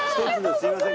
すいません。